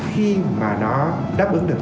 khi mà nó đáp ứng được